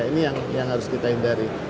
ini yang harus kita hindari